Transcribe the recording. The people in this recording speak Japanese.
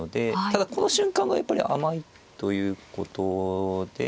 ただこの瞬間がやっぱり甘いということで。